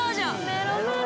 メロメロ